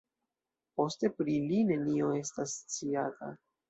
Poste pri li nenio estas sciata.